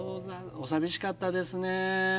お寂しかったですね。